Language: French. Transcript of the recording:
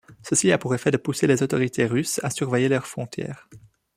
Ceci a pour effet de pousser les autorités russes à surveiller leurs frontières.